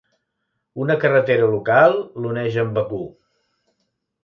Una carretera local l'uneix amb Begur.